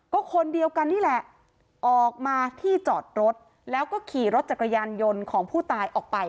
ก็คนเดียวกันนี่แหละออกมาที่จอดรถแล้วก็ขี่รถจักรยานยนต์ของผู้ตายออกไป